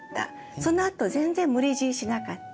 そのあと全然無理強いしなかった。